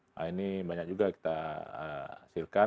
nah ini banyak juga kita hasilkan